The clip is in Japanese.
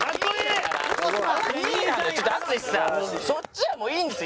そっちはもういいんですよ。